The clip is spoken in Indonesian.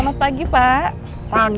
tidak paljon kotaknya ini